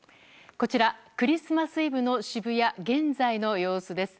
こちら、クリスマスイブの渋谷、現在の様子です。